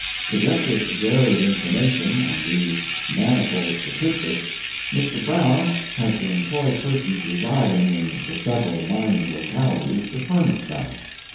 To get this varied information and these manifold statistics Mr. Browne had to employ persons residing in the several mining localities to furnish them.